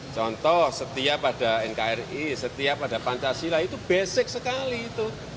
contoh setia pada nkri setia pada pancasila itu basic sekali itu